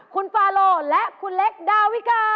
คุณฟาโลและคุณเล็กดาวิกา